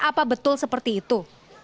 apa betul seperti itu